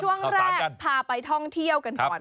ช่วงแรกพาไปท่องเที่ยวกันก่อน